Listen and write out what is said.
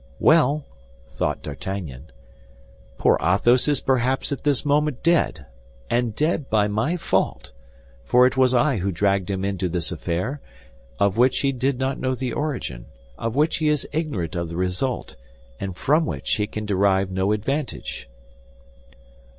"Well," thought D'Artagnan, "poor Athos is perhaps at this moment dead, and dead by my fault—for it was I who dragged him into this affair, of which he did not know the origin, of which he is ignorant of the result, and from which he can derive no advantage."